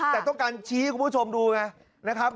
แต่ต้องการชี้ให้คุณผู้ชมดูไงนะครับ